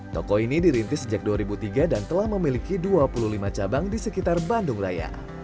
toko ini dirintis sejak dua ribu tiga dan telah memiliki dua puluh lima cabang di sekitar bandung raya